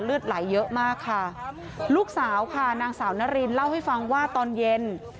เลือดไหลเยอะมากค่ะลูกสาวค่ะนางสาวนารินเล่าให้ฟังว่าตอนเย็น